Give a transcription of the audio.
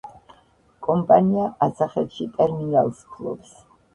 კომპანია ყაზახეთში ტერმინალს ფლობს.